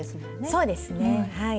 そうですねはい。